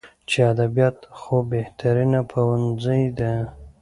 چې ادبيات خو بهترينه پوهنځۍ ده.